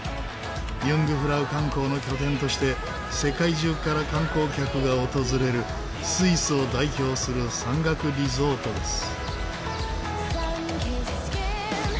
ユングフラウ観光の拠点として世界中から観光客が訪れるスイスを代表する山岳リゾートです。